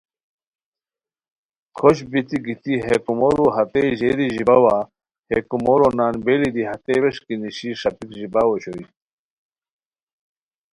کھوشت بیتی گیتی ہے کومورو ہتئے ژیری ژیباوا ہے کومورو نان بیلی دی ہتے ویݰکی نیشی ݰاپیک ژیباؤ اوشوئے